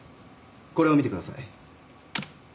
これを見てください。